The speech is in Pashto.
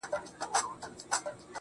گلاب جانانه ته مي مه هېروه.